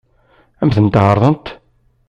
Ad m-tent-ɛeṛḍent?